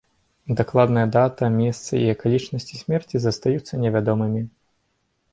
Дакладная дата, месца і акалічнасці смерці застаюцца невядомымі.